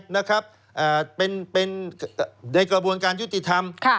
ในกระบวนการยุติธรรม